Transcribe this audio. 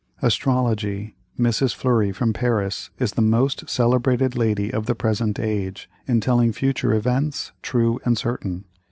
"ASTROLOGY.—MRS. FLEURY, from Paris, is the most celebrated lady of the present age, in telling future events, true and certain.